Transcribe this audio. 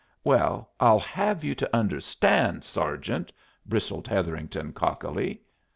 "Well, I'll have you to understand, sergeant " bristled Hetherington, cockily.